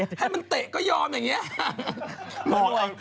ให้มันเตะก็ยอมอย่างนี้